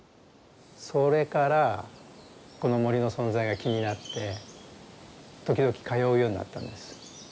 それからこの森の存在が気になって時々通うようになったんです。